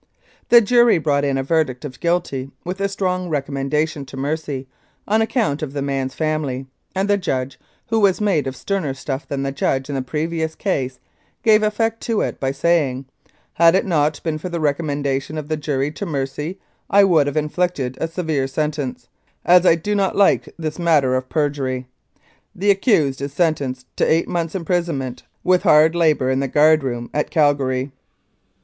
The jury brought in a verdict of guilty, with a strong recommendation to mercy, on account of the man's family, and the judge, who was made of sterner stuff than the judge in the previous case, gave effect to it by saying, " Had it not been for the recommendation of the jury to mercy I would have inflicted a severe sentence, as I do not like this matter of perjury. The accused is sentenced to eight months' imprisonment, with hard labour in the guard room at Calgary."